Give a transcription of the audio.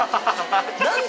何だ